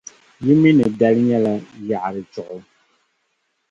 Yi mi ni dali nyɛla Yaɣigari Chuɣu.